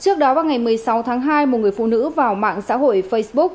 trước đó vào ngày một mươi sáu tháng hai một người phụ nữ vào mạng xã hội facebook